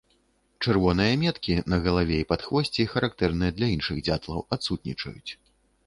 Чырвоныя меткі на галаве і падхвосці, характэрныя для іншых дзятлаў, адсутнічаюць.